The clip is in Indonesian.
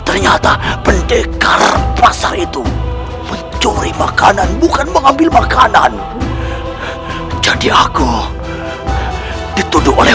ternyata pendekar pasar itu mencuri makanan bukan mengambil makanan jadi aku dituduh oleh